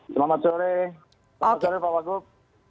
selamat sore selamat sore pak wagub